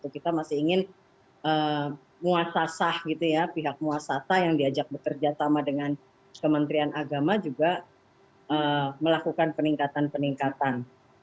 kita masih ingin muasasah gitu ya pihak muasata yang diajak bekerja sama dengan kementerian agama juga melakukan peningkatan peningkatan